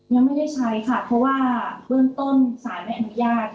ยังไม่ได้ใช้ค่ะเพราะว่าเบื้องต้นสารไม่อนุญาต